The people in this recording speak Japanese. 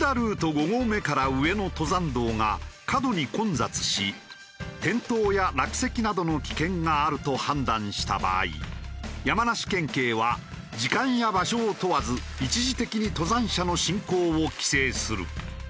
５合目から上の登山道が過度に混雑し転倒や落石などの危険があると判断した場合山梨県警は時間や場所を問わず一時的に登山者の進行を規制する。